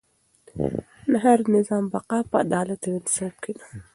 د هر نظام بقا په عدالت او انصاف کې ده.